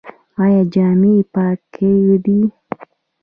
ایا جامې یې پاکې دي؟